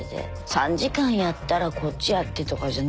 ３時間やったらこっちやってとかじゃ。